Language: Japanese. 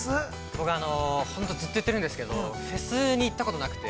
◆僕、本当ずっと言っているんですけど、フェスに行ったことがなくて。